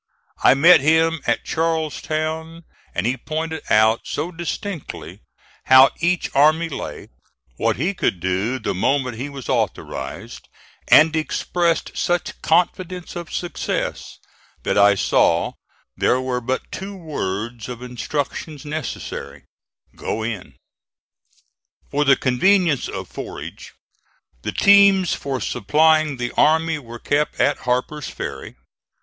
I met him at Charlestown, and he pointed out so distinctly how each army lay; what he could do the moment he was authorized, and expressed such confidence of success, that I saw there were but two words of instructions necessary Go in! For the conveniences of forage, the teams for supplying the army were kept at Harper's Ferry.